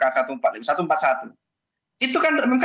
itu kan mk jelas bilang bahwa tafsirnya mbak